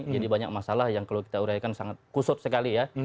jadi banyak masalah yang kalau kita uraikan sangat kusut sekali ya